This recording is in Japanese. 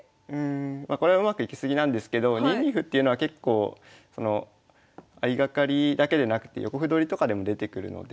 まこれはうまくいき過ぎなんですけど２二歩っていうのは結構相掛かりだけでなくて横歩取りとかでも出てくるので。